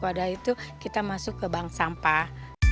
pada itu kita masuk ke bank sampah